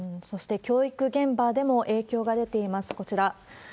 そして、教育現場でも影響が出ています、こちら。